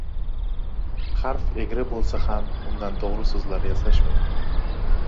• Harf egri bo‘lsa ham undan to‘g‘ri so‘zlar yasash mumkin.